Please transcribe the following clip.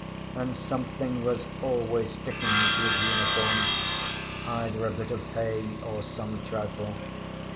And something was always sticking to his uniform, either a bit of hay or some trifle.